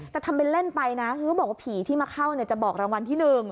แต่ทำเป็นเล่นไปนะคือบอกว่าผีที่มาเข้าเนี่ยจะบอกรางวัลที่หนึ่ง